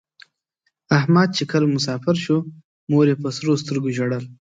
احمد چې کله مسافر شو مور یې په سرو سترگو ژړل.